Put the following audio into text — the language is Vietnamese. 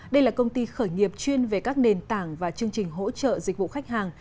đây là công ty khởi nghiệp chuyên về các nền tảng và chương trình hỗ trợ dịch vụ khách hàng